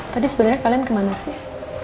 tadi sebenarnya kalian kemana sih